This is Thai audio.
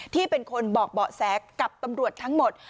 ที่เป็นคนบอกเบาะแสกับตำรวจทั้งหมด